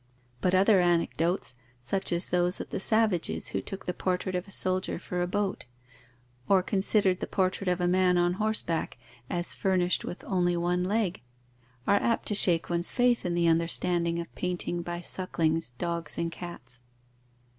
But other anecdotes, such as those of the savages who took the portrait of a soldier for a boat, or considered the portrait of a man on horseback as furnished with only one leg, are apt to shake one's faith in the understanding of painting by sucklings, dogs, and cats.